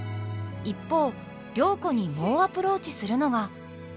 一方良子に猛アプローチするのが。